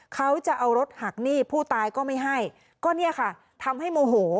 เขาจะเอารถหักหนี้ผู้ตายก็ไม่ให้ก็เนี่ยค่ะทำให้โมโห